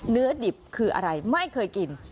เนื้อดิบคืออะไรไม่เคยกิน